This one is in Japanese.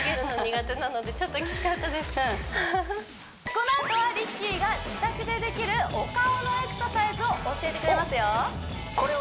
このあとはＲＩＣＫＥＹが自宅でできるお顔のエクササイズを教えてくれますよおっ嬉しい！